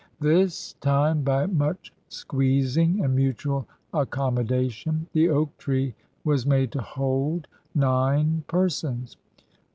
This time, by much squeezing and mutual accommodation, the oak tree was made to hold nine persons.